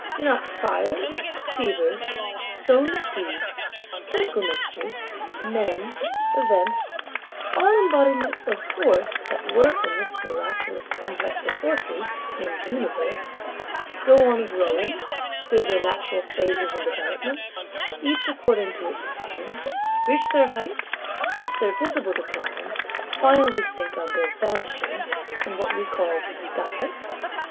Do not fires, fevers, sown seeds, chemical mixtures, men, events; all embodiments of Force that work in this miraculous Complex of Forces, named Universe,—go on growing, through their natural phases and developments, each according to its kind; reach their height, reach their visible decline; finally sink under, vanishing, and what we call _die?